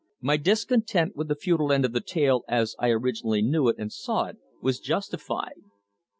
My discontent with the futile end of the tale as I originally knew it and saw it was justified.